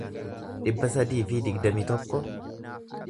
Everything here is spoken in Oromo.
dhibba sadii fi digdamii tokko